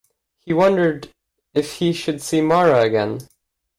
He wondered if he should see Mara again.